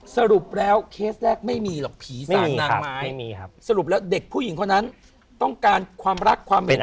สรุปแล้วเคสแรกไม่มีหรอกผีสากนางไม้สรุปแล้วเด็กผู้หญิงคนนั้นต้องการความรักความเห็น